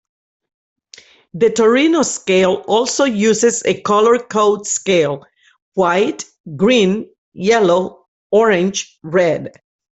The Torino Scale also uses a color code scale: white, green, yellow, orange, red.